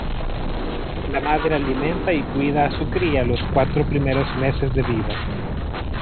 La madre alimenta y cuida a su cría los cuatro primeros meses de vida.